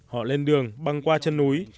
họ lên đường băng qua chân núi